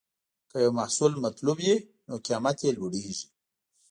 که یو محصول مطلوب وي، نو قیمت یې لوړېږي.